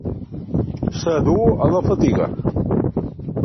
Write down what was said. Ésser dur a la fatiga.